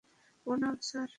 প্রণাম, স্যার।